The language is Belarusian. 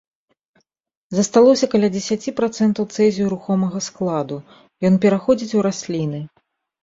Засталося каля дзесяці працэнтаў цэзію рухомага складу, ён пераходзіць у расліны.